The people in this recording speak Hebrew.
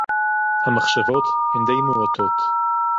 המחשבות – הן די מועטות.